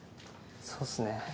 そうっすね。